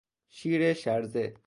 شیر شرزه